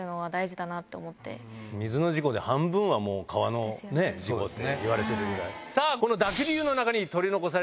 水の事故で半分は川の事故って言われてるぐらい。